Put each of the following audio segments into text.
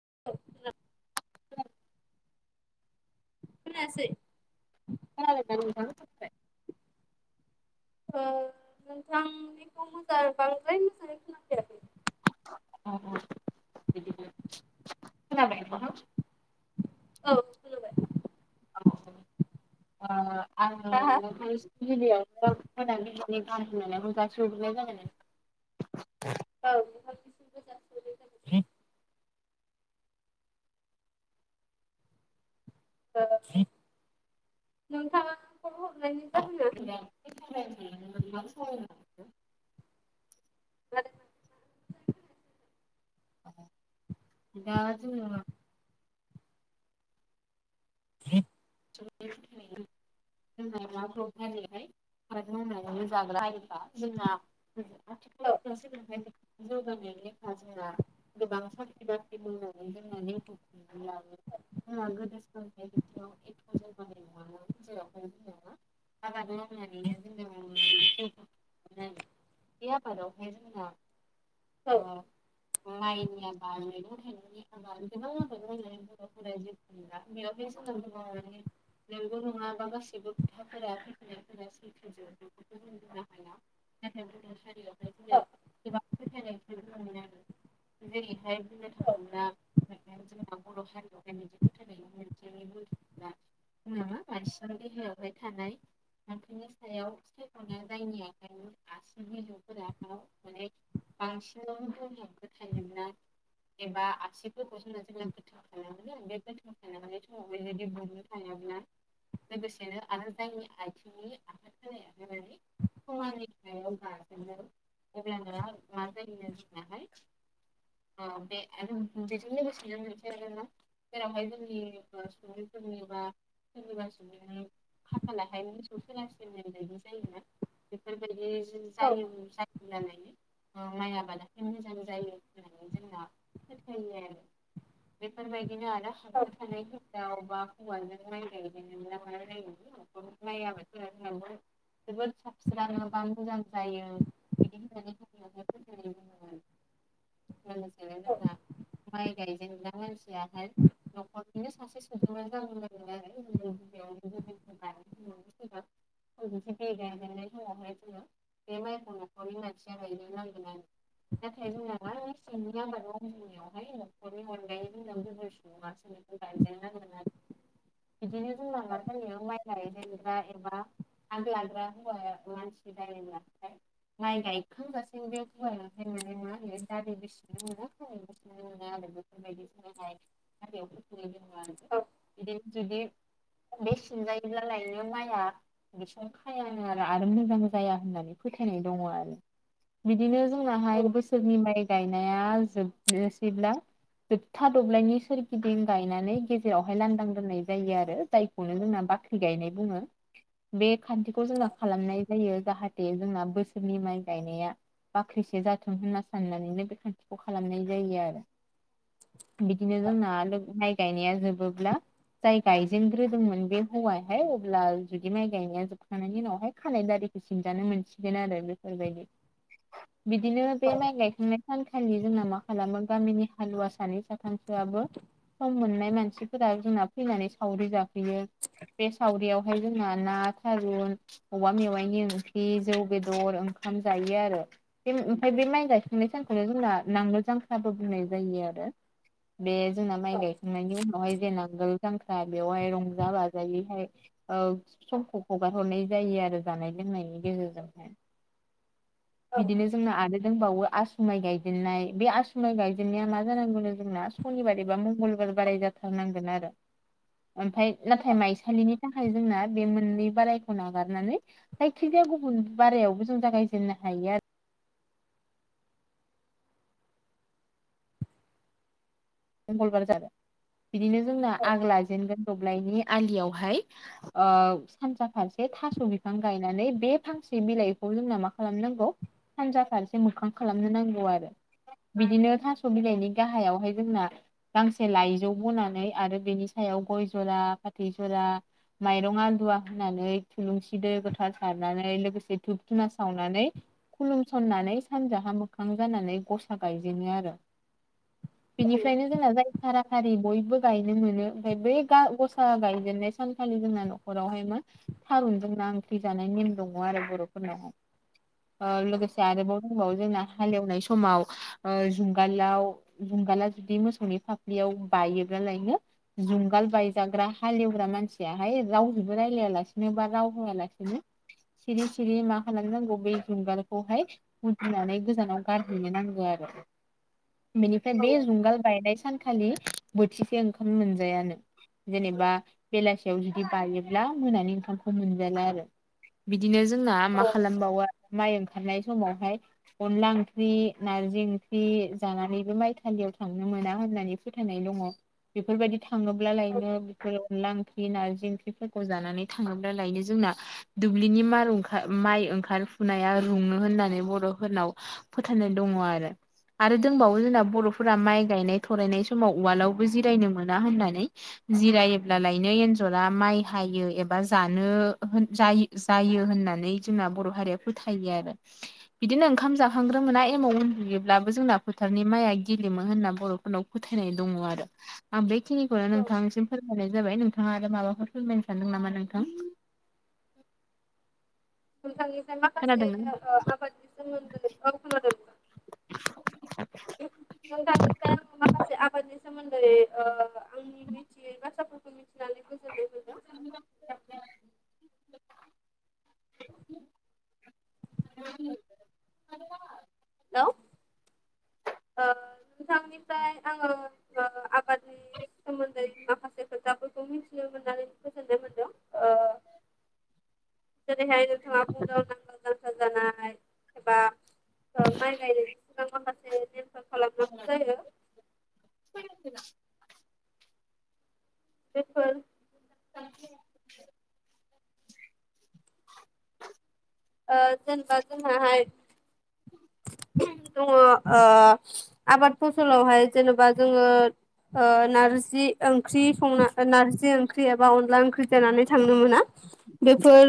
[unintelligible] खोनायासै नोंथां ओ नोंथांनिखौ मोजां बांद्राय मोजाङै खोना अ बिदिनो खोनाबाय नोंथां औ खोनाबाय औ ओ आङो हा हा नों गिबियावनो गोजोन मोनाबिलिनि गाहाम हामलायनायखौ जासिहरग्रोनाय जाबाय नोंथां औ नोंथांनिसिमबो जासिहरनाय जाबाय औ नोंथाङा फन हरनायनि जाहोना [unintelligible] [inaudible] दा जोङो [inaudible] [unintelligible] [unintelligible] जायोहाय आबाद मावनानैनो जाग्रा [unintelligible] जोंना औ आथिखालाव [unintelligible] जौगानाय लेखा जोंहा गोबां साख्रि बाख्रि मावनानै जोङो [unintelligible] लाङो जोंहा गोदो सोलोंथाइ बिथिङाव एथ' जौगानाय नङा [unintelligible] आबाद मावनानैनो [unintelligible] बे आबादावहाय जोंना औ माइनि आबाद मैगं थाइंनि आबाद गोबां आबाद मावनानै बर'फोरा [unintelligible] [unintelligible] नोंबो' नङाबा गासिबो [unintelligible] नाथाय गुबुन हारियावहाय औ जोङो गोबां फोथायनायखौ जेरैहाय बुंनो औ थाङोब्ला [unintelligible] जोंना बर' हारियावहाय मोनसे फोथायनाय [unintelligible] [unintelligible] नामा मानसिनि देहायावहाय थानाय [unintelligible] सायाव [unintelligible] आखाइनि आसि बिजौफोरा [unintelligible] बांसिनावनो [unintelligible] एबा आसिफोरखौ जोङो [unintelligible] जे बुंनो थाङोब्ला लोगोसेनो आरो जायनि आथिंनि आफा थालाया बेबायदि [unintelligible] ओ बे [unintelligible] जेरावहाय जोंनि [unintelligible] सोरनिबा सोरनिबा सुबुंनि खाफालाहाय मोसौ सोलास्लिबनाय बादि जायोना बेफोरबायदि औ जायो [unintelligible] माइ आबादा मोजां जायो होननानै जोंना फोथायो आरो। बेफोरबायदिनो आरो [unintelligible] थानाय [unintelligible] बा [unintelligible] जोबोद साबस्राङो बा मोजां जायो। बिदि [unintelligible] लोगोसेनो औ जोंना माइ गायजेनना मानसियाहाय न'खरनिनो सासे [unintelligible] [unintelligible] गायजेननाय समावहाय जोङो बे माइखौ न'खरनि मानसिया गायनो नांगोन आरो। नाथाय जोंना मा सिंनि आबाद मावनायावहाय न'खरनि अनगायै [unintelligible] [unintelligible] [inaudible] बिदिनो जोंना जायो [unintelligible] आग लाग्रा [unintelligible] माइ गायखांगासिनो बे [unintelligible] [unintelligible] औ जुदि बे [unintelligible] जायोब्ला लायनो माइआ बिसोर खायानो आरो आरो मोजां जाया होननानै फोथायनाय दङ आरो बिदिनो जोंनाहाय बोसोरनि माय गायनाया जोबनोसैब्ला जोबथा दब्लायनि सोरगिदिं गायनानै गे जेरावहाय लांदां दोननाय जायो आरो जायखौनो जोंना बाख्रि गायनाय बुङो। बे खान्थिखौ जोंना खालामनाय जायो जाहाथे जोंना बोसोरनि माइ गायनाया बाख्रिसे जाथों होनना साननानैनो बे खान्थिखौ खालामनाय जायो आरो। बिदिनो जोंना माइ गायनाया जोबोब्ला जाय गायजेनग्रोदोंमोन बे हौवायाहाय अब्ला जुदि माइ गायनाया जोबखांनायनि उनावहाय खानाय दारि सिनजानो मोनसिगोन आरो बेफोरबायदि। [inaudible] बिदिनो बे माइ गायखांनाय सान खालि जोंना मा खालामो गामिनि हालुवा सानै साथामसोआबो सम मोननाय मानसि फोर जोंना फैनानै सावरि जाफैयो बे सावरियावहाय जोंना ना थारुन औवा मेवाइनि ओंख्रि जौ बेदर ओंखाम जायो आरो। बे ओमफ्राय बे माइ गायखांनाय सानखौनो जोंना नांगोल जांख्राबो बुंनाय जायो आरो। बे जोंना माय गायखांनायनि उनावहाय जे नांगोल जांख्रा बेवहाय रंजा बाजायैहाय ओ समखौ हगार हरनाय जायो आरो जानाय लोंनायनि गेजेरजोंहाय। [inaudible] बिदिनो जोंना आरो दंबावो आसुमाइ गायजेननाय बे आसुमाइ गायजेननाया मा जानांगौनो जोंना सनिबार एबा मंगलबार बाराय जाथारनांगोन आरो। ओमफ्राय नाथाय माइसालिनि थाखाय जोंना बे मोननै बारायखौ नागारनानै जायखिजाया गुबुन बारायावबो जों जागायजेननो हायो आरो। मंगलबार जादों बिदिनो जोंना आग लाजेनगोन दब्लायनि आलियावहाय ओ सानजा फारसे थास' बिफां गायनानै बे फांसे बिलाइखौ जोंना मा खालामनांगौ सानजा फारसे मोखां खालामनो नांगौ आरो। बिदिनो थास' बिलाइनि गाहायावहाय जोंना गांसे लाइजौ बनानै आरो बेनि सायाव गय जरा फाथै जरा माइरं आलदुवा होननानै थुलुंसिदो गोथार सारनानै लोगोसे धुब धुना सावनानै खुलुमसननानै सानजाहा मोखां जानानै गसा गायजेनो आरो। फ्रायनो जोंना जाय खाराखारि बयबो गायनो मोनो ओमफ्राय बै गसा गायजेननाय सानखालि जोंना न' हरावहायमोन थारुनजों ना ओंख्रि जानाय नेम दङ आरो बर'फोरनावहाय। ओ लोगोसे आरोबाव दंबावो जोंना हालेवनाय समाव। ओ जुंगालाव जुंगाला जुदि मोसौनि फाफ्लियाव बायोब्ला लायनो जुंगाल बायजाग्रा हालेवग्रा मानसियाहाय रावजोंबो रायलाया लासिनो बा राव होआलासिनो सिरि सिरि मा खालामनांगौ बे जुंगारखौहाय उनफिनानै गोजानाव गारहैनो नांगौ आरो बेनिफ्राय बे माइ गायनाय सानखालि बोथिसे ओंखाम मोनजायानो जेनेबा बेलासियाव जुदि बायोब्ला मोनानि ओंखामखौ मोनजाला आरो। बिदिनो जोंना मा खालामबावो माइ ओंखारनाय समावहाय अनला ओंख्रि, नारजि ओंख्रि जानानैबो माइ सालियाव थांनो मोना होननानै फोथायनाय दङ बेफोरबायदि थाङोब्ला लायनो बेफोराव अनला ओंख्रि, नारजि ओंख्रिफोरखौ जानानै थाङोब्ला लायनो जोंना दुब्लिनि मार ओंखा माइ ओंखारफुनाया रुंनो होननानै बर'फोरनाव फोथायनाय दङ आरो आरो दंबावो जोंना बर' फोरा माइ गायनाय थरायनाय समाव उवालावबो जिरायनो मोना होननानै। जिरायोब्ला लायनो एन्जरा माइ हायो एबा जानो होन जायो। जायो होननानै जोंना बर' हारिया फोथायो आरो। बिदिनो ओंखाम जाखांग्रो मोना एमाव उन्दुयोब्लाबो जोंना फोथारनि माइआ गेलेमोन होनना बर'फोरनाव फोथायनाय दङ आरो आं बेखिनिखौनो नोंथांनिसिम फोरमायनाय जाबाय नोंथाङा आरो माबाफोर फोरमायनो सानदों नामा नोंथां? नोंथांनिफ्राय माखासे खोनादोंना आबादनि सोमोन्दै औ खोनादों नोंथां नोंथांनिफ्राय आं माखासे आबादनि सोमोन्दै [inaudible] [unintelligible] [inaudible] [inaudible] हेलौ हेलौ ओ नोंथांनिफ्राय आङो ओ आबाद सोमोन्दै माखासे खोथाफोरखौ मिथिनो मोननानै गोजोन [unintelligible] मोनदों ओ जेरैहाय नोंथाङा बुंदों नांगोल जांख्रा जानाय बा ओ माइ गायनायनि सिगां माखासे नेमफोर खालामनो। [unintelligible] बेफोर [unintelligible] ओ जेनेबा जों दहाय दङ ओ आबाद फसलावहाय जेनेबा जोङो ओ नारजि ओंख्रि संना नारजि ओंख्रि एबा अनला ओंख्रि जानानै थांनो मोना बेफोर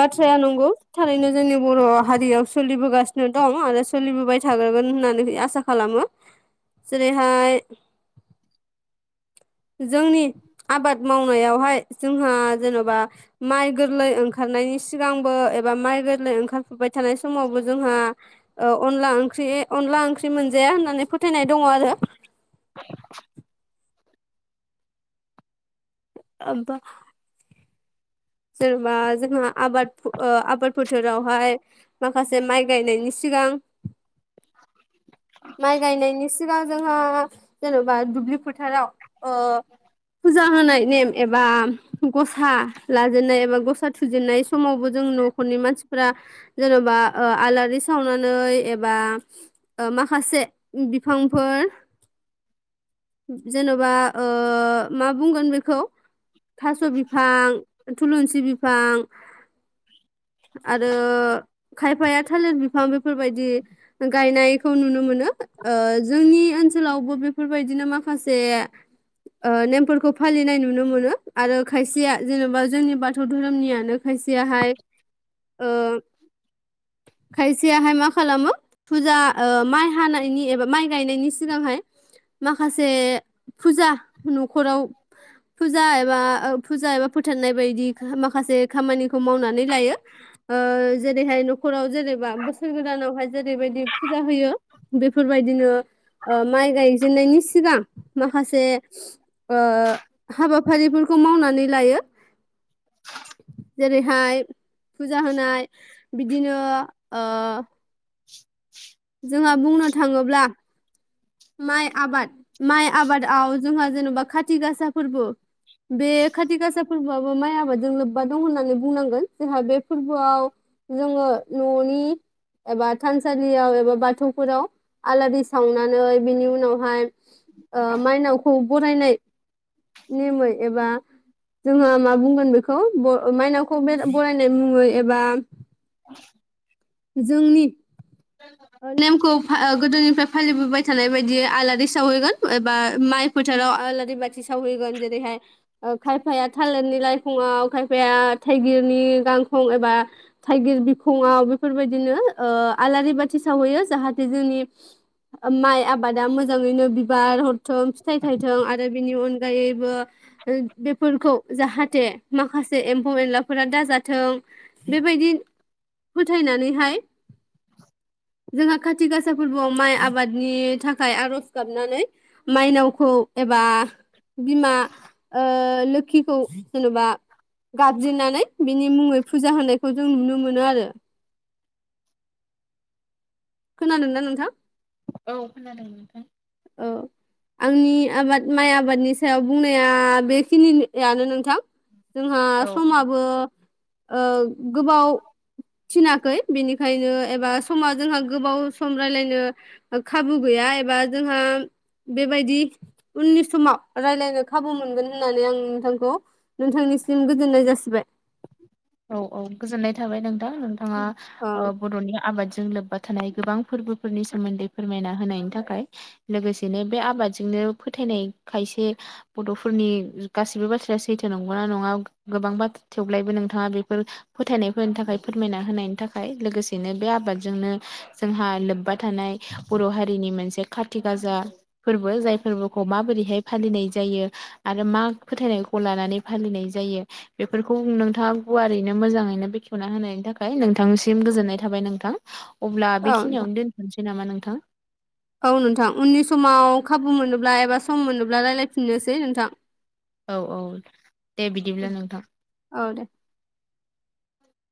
बाथ्राया नंगौ। थारैनो जोंनि बर' हारियाव सोलिबोगासिनो दं आरो सोलिबोबाय थागागोन होननानै आसा खालामो जेरैहाय जोंनि आबाद मावनायावहाय जोंहा जेन'बा माइ गोरलै ओंखारनायनि सिगांबो एबा माइ गोरलै ओंखारफुबाय थानाय समावबो जोंहा औ अनला ओंख्रि अनला ओंख्रि मोनजाया होननानै फोथायनाय दङ आरो [inaudible] आमफा जेनेबा जोंहा आबाद आबाद फोथारावहाय माखासे माइ गायनायनि सिगां [inaudible] माइ गायनायनि सिगां जोंहा जेन'बा दुब्लि फोथाराव ओ फुजा होनाय नेम एबा गसा लाजेननाय एबा गसा खोथिया फुजेननाय समावबो जों न'खरनि मानसिफोरा जेन'बा ओ आलारि सावनानै एबा माख माखासे बिफांफोर जेनेबा ओ मा बुंगोन बेखौ थास' बिफां थुलुंसि बिफां आरो खायफाया थालिर बिफां बेफोरबायदि गायनायखौ नुनो मोनो ओ जोंनि ओनसोलावबो बे फोरबायदिनो माखासे ओ नेमफोरखौ फालिनाय नुनो मोनो। आरो खायसेया जेनेबा जोंनि बाथौ धोरोमनियानो खायसेयाहाय ओ खायसेयाहाय मा खालामो फुजा ओ माइ हानायनि एबा माइ गायनायनि सिगांहाय माखासे फुजा न'खराव फुजा एबा फुजा एबा फोथारनाय बायदि माखासे खामानिखौ मावनानै लायो। ओ जेरैहाय न'खराव जेनेबा बोसोर गोदानावहाय जेरैबायदि फुजा होयो बेफोरबायदिनो माइ गायजेननायनि सिगां माखासे ओ हाबाफारिफोरखौ मावनानै लायो। जेरैहाय फुजा होनाय बिदिनो ओ जोंहा बुंनो थाङोब्ला माइ आबाद माइ आबादाव जोंहा जेन'बा खाथि गासा फोरबो बे खाथि गासा फोरबोआबो माइ आबादजों लोब्बा दं होननानै बुंनांगोन जोंहा बे फोरबोआव जोङो न'नि एबा थानसालियाव एबा बाथौफोराव आलारि सावनानै बिनि उनावहाय माइनावखौ बरायनाय नेमै एबा जोंहा मा बुंगोन बेखौ मायनावखौ बरायनाय मुङै एबा औ [unintelligible] जोंनि [inaudible] नेमखौ गोदोनिफ्राय फालिबोबाय थानाय बायदि आलारि सावहैगोन एबा माइ फोथाराव आलारि बाथि सावहैगोन जेरैहाय खायफाया थालिरनि लाइखङआव खायफाया थाइगिरनि गांखं एबा थाइगिर बिखङाव बेफोरबायदिनो आलारि बाथि सावहैयो जाहाथे जोंनि माइ आबादा मोजाङैनो बिबार हरथों फिथाइ थायथों आरो बिनि अनगायैबो बेफोरखौ जाहाथे माखासे एम्फौ एनलाफोरा दाजाथों बेबायदि फोथायनानैहाय जोंहा खाथि गासा फोरबोआव माइ आबादनि थाखाय आरज गाबनानै माइनावखौ एबा बिमा लोखिखौ जेन'बा गाबज्रिनानै बिनि मुङै फुजा होनायखौ जों नुनो मोनो आरो खोनादोंना नोंथां औ खोनादों नोंथां औ आंनि आबाद माइ आबादनि सायाव बुंनाया बेखिनियानो नोंथां जोंहा औ समाबो गोबाव थिनाखै बेनिखायनो एबा समा जोंहा गोबाव सम राय्लायनो खाबु गैया एबा जोंहा बेबायदि उननि समाव राय्लायनो खाबु मोनगोन होननानै आं नोंथांखौ नोंथांनिसिम गोजोननाय जासिबाय औ औ गोजोननाय थाबाय नोंथां नोंथाङा औ बद'नि आबादजों लोब्बा थानाय गोबां फोरबोफोरनि सोमोन्दै फोरमायना होनायनि थाखाय लोगोसेनो बे आबादजोंनो फोथायनाय खायसे बद'फोरनि गाैबो बाथ्राया सैथो नंगौना नङा गोबां बाथ्रा थेव्लायबो नोंथाङा बेफोर फोथायनायफोरनि थाखाय फोरमायना होनायनि थाखाय लोगोसेनो बे आबादजोंनो जोंहा लोब्बा थानाय बर' हारिनि मोनसे खाथि गाजा फोरबो जाय फोरबोखौ माबोरैहाय फालिनाय जायो आरो मा फोथायनायखौ लानानै फालिनाय जायो बे फोरखौ नोंथाङा गुवारैनो मोजाङैनो बेखेवना होनायनि थाखाय नोंथांसिम गोजोननाय थाबाय नोंथां अब्ला औ नोंथां बेखिनियावनो दोनथ'नोसै नामा नोंथां औ नोंथां उननि समाव खाबु मोनोब्ला एबा सम मोनोब्ला रायजलायफिननोसै नोंथां औ औ दे बिदिब्ला नोंथां औ दे